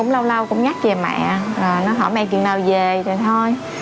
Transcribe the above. lâu lâu cũng nhắc về mẹ hỏi mẹ khi nào về thì thôi